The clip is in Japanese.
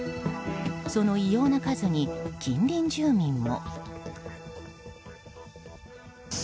その異様な数に近隣住民も。